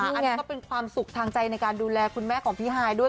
อันนี้ก็เป็นความสุขทางใจในการดูแลคุณแม่ของพี่ฮายด้วย